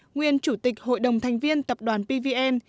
nguyên chủ tịch hội đồng thành viên tập đoàn pvn